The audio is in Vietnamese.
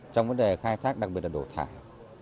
trong vấn đề khai thác đặc biệt là đổ thải